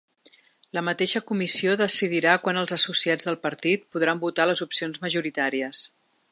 La mateixa comissió decidirà quan els associats del partit podran votar les opcions majoritàries.